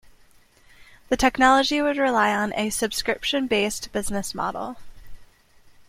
The technology would rely on a subscription-based business model.